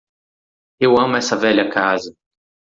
Eu amo essa velha casa.